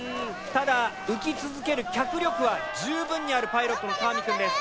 ただ浮き続ける脚力は十分にあるパイロットの川見くんです。